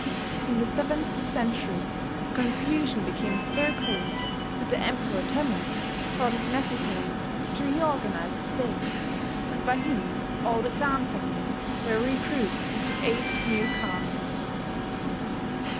In the seventh century the confusion became so great that the Emperor Temmu thought it necessary to reorganize the sei; and by him all the clan families were regrouped into eight new castes.